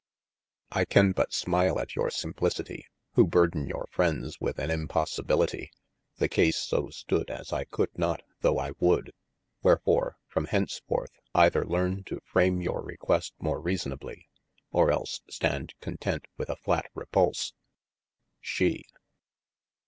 I can but smyle at your simplicitye, who burden your frends with an impossibility. The case so stode as I could not though I would. Wherefore from hencefoorth either learne to frame your request more reasonablye, or else stand content with a flat repulse. SHE.